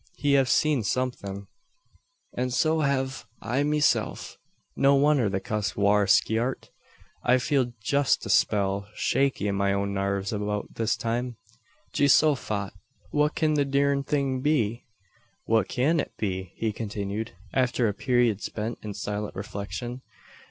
He hev seed somethin'; and so hev I meself. No wonner the cuss war skeeart. I feel jest a spell shaky in my own narves beout this time. Geehosophat! what kin the durned thing be?" "What kin it be?" he continued, after a period spent in silent reflection.